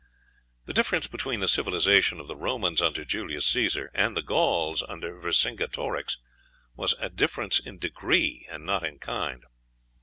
The difference between the civilization of the Romans under Julius Cæsar and the Gauls under Vercingetorix was a difference in degree and not in kind.